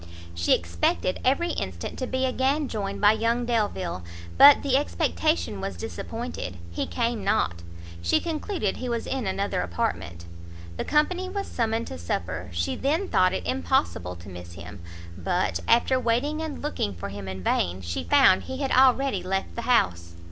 She expected every instant to be again joined by young Delvile, but the expectation was disappointed; he came not; she concluded he was in another apartment; the company was summoned to supper, she then thought it impossible to miss him; but, after waiting and looking for him in vain, she found he had already left the house.